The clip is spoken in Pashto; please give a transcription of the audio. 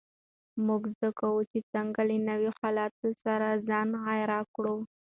موږ زده کوو چې څنګه له نویو حالاتو سره ځان عیار کړو.